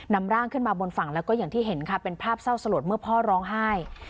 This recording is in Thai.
นำร่างขึ้นมาบนฝั่งแล้วก็อย่างที่เห็นค่ะเป็นภาพเศร้าสลดเมื่อพ่อร้องไห้